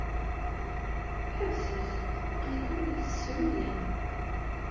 Ḥebset! Aql-iken la tt-tessruyem.